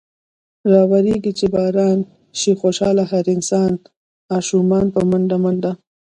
راورېږي چې باران۔ شي خوشحاله هر انسان ـ اشومان په منډه منډه ـ